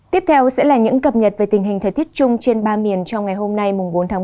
tiếp theo sẽ là những cập nhật về tình hình thời tiết chung trên ba miền trong ngày hôm nay bốn tháng một mươi